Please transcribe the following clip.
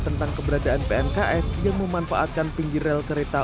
tentang keberadaan pnks yang memanfaatkan pinggir rel kereta